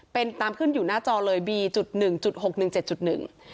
เป็นตามขึ้นอยู่หน้าจอเลยบีจุดหนึ่งจุดหกหนึ่งเจ็ดจุดหนึ่ง